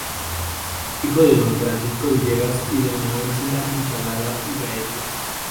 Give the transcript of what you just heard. Hijo de don "Francisco Villegas" y doña "Úrsula Encalada y Gaete".